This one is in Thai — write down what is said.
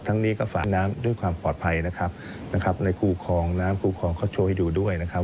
ทั้งนี้ก็ฝากน้ำด้วยความปลอดภัยนะครับในครูคองน้ำครูคองเขาโชว์ให้ดูด้วยนะครับ